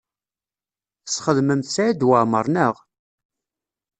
Tesxedmemt Saɛid Waɛmaṛ, naɣ?